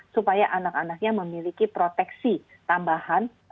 supaya anak anaknya memiliki proteksi tambahan